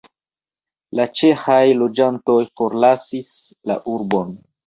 La ĉeĥaj loĝantoj forlasis la urbon.